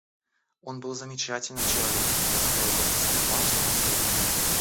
Он был замечательным человеком и оставил после себя важное наследие.